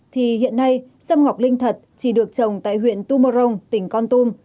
thì hiện nay sâm ngọc linh thật chỉ được trồng tại huyện tumorong tỉnh con tum